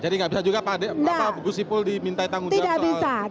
jadi nggak bisa juga pak gus wipul diminta tanggung jawab soal kemiskinan jawa timur